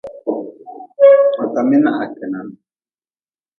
Ma ka mi na ha kenan.